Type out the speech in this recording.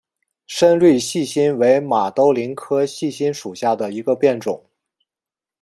深绿细辛为马兜铃科细辛属下的一个变种。